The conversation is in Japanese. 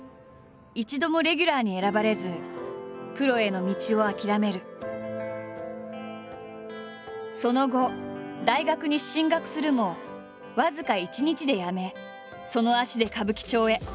一度もレギュラーに選ばれずその後大学に進学するも僅か一日でやめその足で歌舞伎町へ。